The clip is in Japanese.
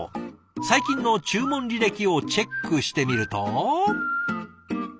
最近の注文履歴をチェックしてみると。